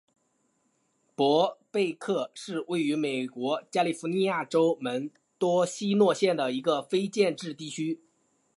伯贝克是位于美国加利福尼亚州门多西诺县的一个非建制地区。